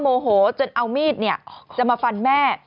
โมโหจนเอามีดจะมาฟันแม่